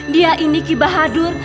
dia ini ki bahadur